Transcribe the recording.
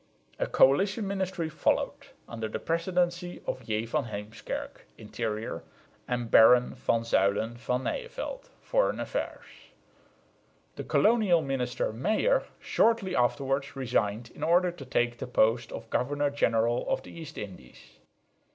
A coalition ministry followed under the presidency of J. van Heemskerk (Interior) and Baron van Zuylen van Nyevelt (Foreign Affairs). The colonial minister Mijer shortly afterwards resigned in order to take the post of governor general of the East Indies.